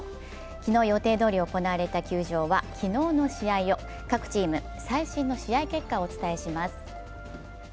昨日予定どおり行われた球場は昨日の試合を各チーム最新の試合結果をお伝えします。